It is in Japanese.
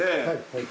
はい。